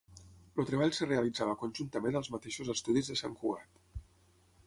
El treball es realitzava conjuntament als mateixos estudis de Sant Cugat.